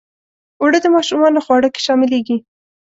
اوړه د ماشومانو خواړه کې شاملیږي